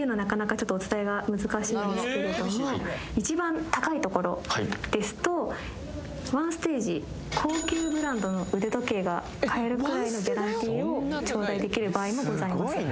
ちょっとお伝えが難しいんですけれども一番高いところですと１ステージ高級ブランドの腕時計が買えるくらいのギャランティーをちょうだいできる場合もございます